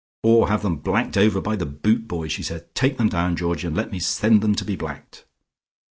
"Or have them blacked over by the boot boy," she said. "Take them down, Georgie, and let me send them to be blacked."